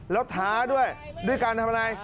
แล้วท้าด้วยด้วยการทำอะไร